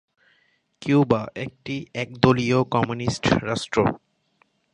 Cuba একটি একদলীয় communist রাষ্ট্র।